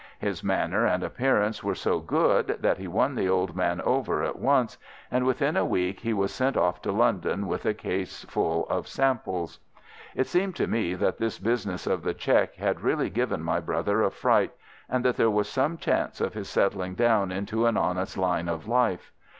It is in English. His manner and appearance were so good that he won the old man over at once, and within a week he was sent off to London with a case full of samples. "It seemed to me that this business of the check had really given my brother a fright, and that there was some chance of his settling down into an honest line of life.